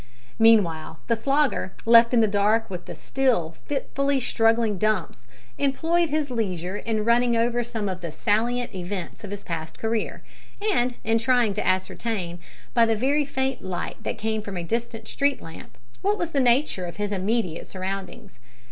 Meanwhile the Slogger, left in the dark with the still fitfully struggling Dumps, employed his leisure in running over some of the salient events of his past career, and in trying to ascertain, by the very faint light that came from a distant street lamp, what was the nature of his immediate surroundings.